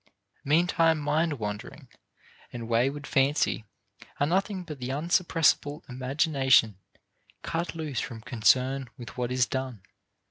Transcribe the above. Meantime mind wandering and wayward fancy are nothing but the unsuppressible imagination cut loose from concern with what is done.